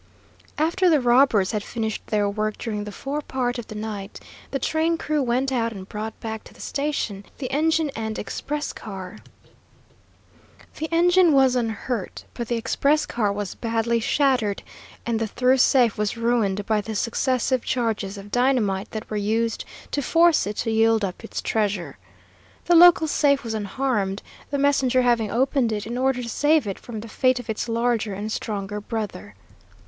After the robbers had finished their work during the fore part of the night, the train crew went out and brought back to the station the engine and express car. The engine was unhurt, but the express car was badly shattered, and the through safe was ruined by the successive charges of dynamite that were used to force it to yield up its treasure. The local safe was unharmed, the messenger having opened it in order to save it from the fate of its larger and stronger brother.